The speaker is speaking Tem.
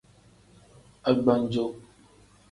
Agbanjo.